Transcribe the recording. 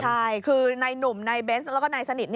ใช่คือนายหนุ่มนายเบนส์แล้วก็นายสนิท